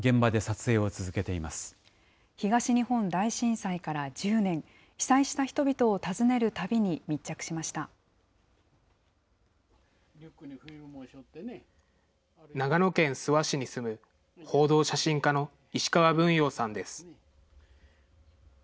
長野県諏訪市に住む、報道写真家の石川文洋さんです。